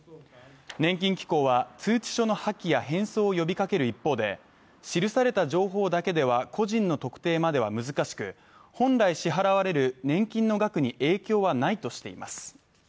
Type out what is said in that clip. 年金機構は通知書の破棄や返送を呼びかける一方で記された情報だけでは個人の特定までは難しく、本来支払われる年金の額に影響はないとしています。